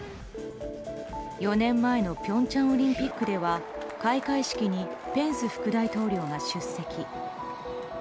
４年前の平昌オリンピックでは開会式にペンス副大統領が出席。